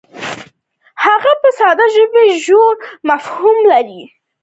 هغه په ساده ژبه ژور مفاهیم وړاندې کوي.